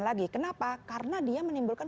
lagi kenapa karena dia menimbulkan